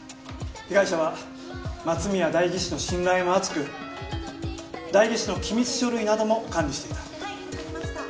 被害者は松宮代議士の信頼も厚く代議士の機密書類なども管理していた。